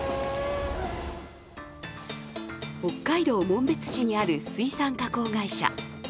北海道紋別市にある水産加工会社。